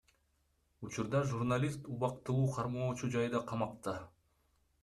Учурда журналист убактылуу кармоочу жайда камакта.